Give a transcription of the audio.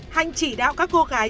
hạnh chỉ đạo các cô gái